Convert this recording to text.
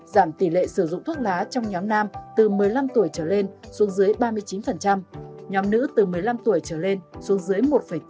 giảm tỷ lệ sử dụng thuốc lá trong nhóm nam từ một mươi năm tuổi trở lên xuống dưới ba mươi chín nhóm nữ từ một mươi năm tuổi trở lên xuống dưới một bốn